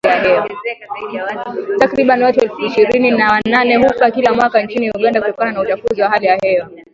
Takriban watu elfu ishirini na wanane hufa kila mwaka nchini Uganda kutokana na uchafuzi wa hali ya hewa